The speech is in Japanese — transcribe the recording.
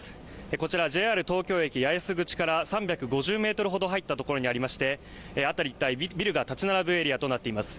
こちらＪＲ東京駅八重洲口から３５０メートルほど入った所にありまして辺り一帯ビルが建ち並ぶエリアとなっています